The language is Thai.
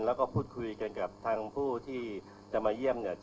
แล้วก็พูดคุยกันกับทางผู้ที่จะมาเยี่ยมเนี่ย